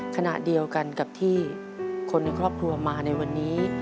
ขณะเดียวกันกับที่คนในครอบครัวมาในวันนี้